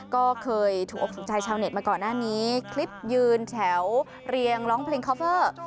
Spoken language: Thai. ก็เคยถูกออกถูกใจชาวเน็ตมาก่อนหน้านี้คลิปยืนแถวเรียงร้องเพลงคอฟเฟอร์